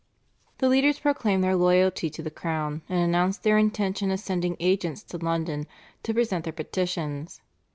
The leaders proclaimed their loyalty to the crown, and announced their intention of sending agents to London to present their petitions.